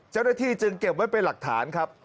เจ้าหน้าที่จึงเก็บไว้เป็นหลักฐานครับ